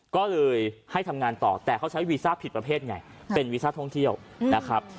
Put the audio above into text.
ก็เลยให้ทำงานต่อแต่เขาใช้วีซ่าผิดประเภทไงเป็นวีซ่าท่องเที่ยวนะครับ